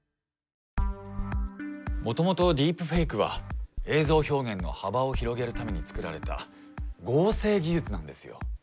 もともとディープフェイクは映像表現の幅を広げるためにつくられた合成技術なんですよ。